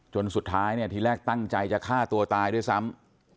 จนสุดท้ายเนี่ยทีแรกตั้งใจจะฆ่าตัวตายด้วยซ้ำ